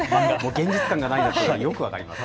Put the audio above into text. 現実感ないというのはよく分かります。